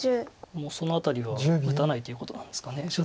もうその辺りは打たないということなんですかね。